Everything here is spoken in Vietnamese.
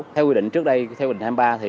theo quy định trước đây theo quy định hai mươi ba